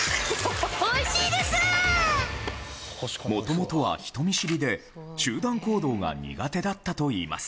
もともとは人見知りで集団行動が苦手だったといいます。